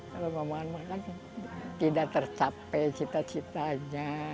kalau kebawaan mah kan tidak tercapai cita citanya